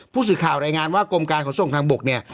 ผู้สื่อข่าวรายงานว่ากรมการขนส่งทางบกเนี่ย